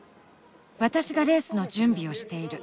私がレースの準備をしている。